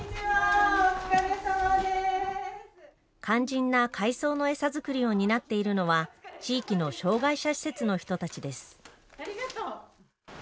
肝心な海藻の餌作りを担っているのは地域の障害者施設の人たちです。